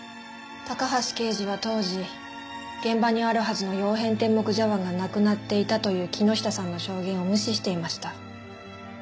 高橋刑事は当時現場にあるはずの曜変天目茶碗がなくなっていたという木下さんの証言を無視していました。